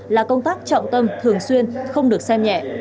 là công tác trọng tâm thường xuyên không được xem nhẹ